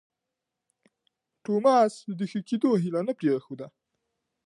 توماس د ښه کېدو هیله نه پرېښوده.